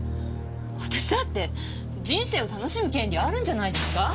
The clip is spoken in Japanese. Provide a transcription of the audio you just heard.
私だって人生を楽しむ権利あるんじゃないですか？